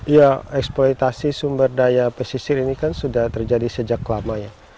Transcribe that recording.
ya eksploitasi sumber daya pesisir ini kan sudah terjadi sejak lama ya